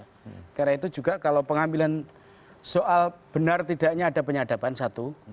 karena itu juga kalau pengambilan soal benar tidaknya ada penyadapan satu